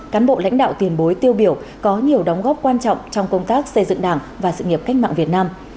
cán bộ lãnh đạo tiền bối tiêu biểu có nhiều đóng góp quan trọng trong công tác xây dựng đảng và sự nghiệp cách mạng việt nam